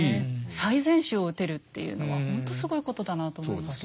最善手を打てるっていうのはほんとすごいことだなと思います。